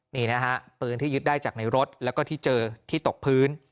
นี่นะฮะปืนที่ยึดได้จากในรถแล้วก็ที่เจอที่ตกพื้น